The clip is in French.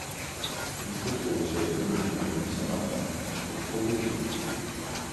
Il se trouve sur les communes de Mont-Saint-Martin et Proveysieux.